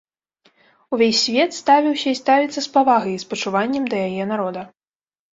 Увесь свет ставіўся і ставіцца з павагай і спачуваннем да яе народа.